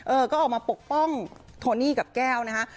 เออก็ออกมาปกป้องโทนี่กับแก้วนะฮะ